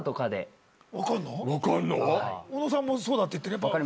分かんの⁉小野さんも「そうだ」って。